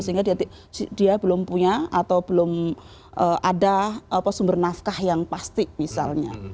sehingga dia belum punya atau belum ada sumber nafkah yang pasti misalnya